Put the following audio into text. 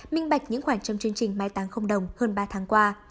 minh bạch những khoảng trăm chương trình mai tàng không đồng hơn ba tháng qua